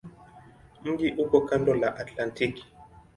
Mji uko kando la Atlantiki.